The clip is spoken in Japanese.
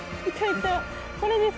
これです